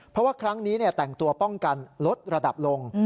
เพราะว่าครั้งนี้แต่งตัวป้องกันลดระดับลง